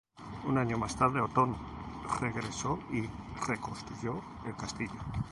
Un año más tarde Otón regresó y reconstruyó el castillo.